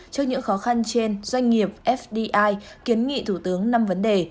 trước những khó khăn trên doanh nghiệp fdi kiến nghị thủ tướng năm vấn đề